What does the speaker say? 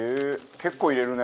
結構入れるね。